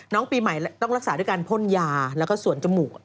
น้องปีใหม่ต้องรักษาด้วยการพ่นยาแล้วก็สวนจมูก